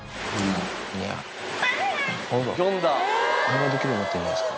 会話できるようになってるじゃないですか。